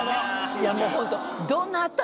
いやもうホント。